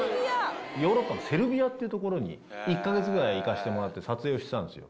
ヨーロッパのセルビアっていう所に１か月ぐらい行かせてもらって、撮影をしてたんですよ。